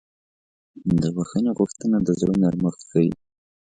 د بښنې غوښتنه د زړه نرمښت ښیي.